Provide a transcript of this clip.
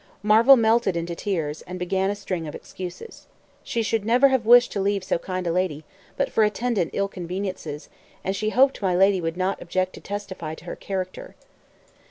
Marvel melted into tears, and began a string of excuses. "She should never have wished to leave so kind a lady, but for attendant ill conveniences, and she hoped my lady would not object to testify to her character."